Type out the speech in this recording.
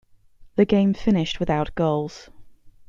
The game finished without goals.